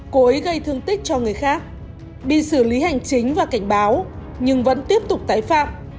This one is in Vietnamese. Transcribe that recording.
cố ý gây thương tích cho người khác bị xử lý hành chính và cảnh báo nhưng vẫn tiếp tục tái phạm